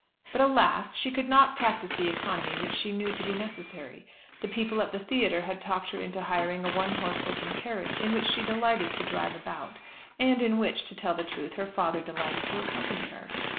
But, alas! she could not practise the economy which she knew to be necessary. The people at the theatre had talked her into hiring a one horse open carriage in which she delighted to drive about, and in which, to tell the truth, her father delighted to accompany her.